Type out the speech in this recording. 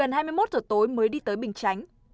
lúc tối mới đi tới bình chánh